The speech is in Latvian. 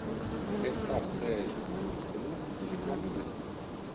Es ar sēžu un blisinos un neko nezinu.